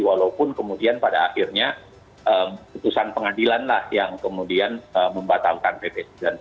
walaupun kemudian pada akhirnya putusan pengadilan lah yang kemudian membatalkan pp sembilan puluh sembilan